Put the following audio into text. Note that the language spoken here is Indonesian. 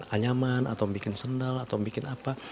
anyaman atau bikin sendal atau bikin apa